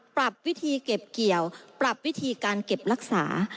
ปรับวิธีเก็บเกี่ยวปรับวิธีการเก็บรักษา